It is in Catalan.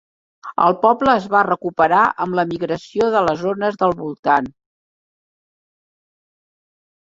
El poble es va recuperar amb la migració de les zones del voltant.